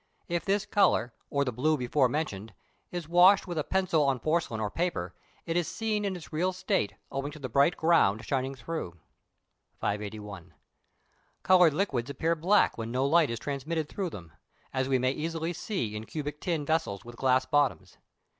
If this colour, or the blue before mentioned, is washed with a pencil on porcelain or paper, it is seen in its real state owing to the bright ground shining through. 581. Coloured liquids appear black when no light is transmitted through them, as we may easily see in cubic tin vessels with glass bottoms.